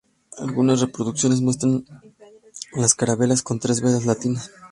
Algunas reproducciones muestran las carabelas con tres velas latinas.